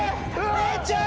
礼ちゃん！